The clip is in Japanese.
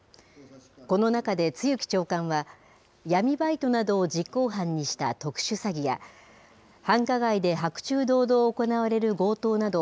この中で露木長官は、闇バイトなどを実行犯にした特殊詐欺や、繁華街で白昼堂々行われる強盗など、